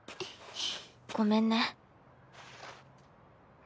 ごめんね。